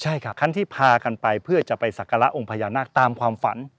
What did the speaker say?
ใช่ค่ะขั้นที่พากันไปเพื่อจะไปสักการะองค์พญานาคตามความฝัน